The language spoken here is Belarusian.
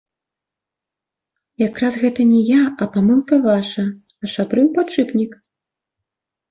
Якраз гэта не я, а памылка ваша, я шабрыў падшыпнік.